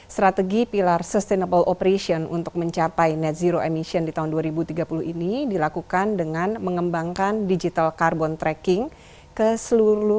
strategi pilar sustainable operation untuk mencapai net zero emission di tahun dua ribu tiga puluh ini dilakukan dengan mengembangkan digital carbon tracking ke seluruh